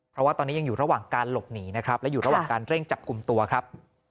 เพราะว่าตอนนี้ยังอยู่ระหว่างการหลบหนีนะครับและอยู่ระหว่างการเร่งจับกลุ่มตัวครับ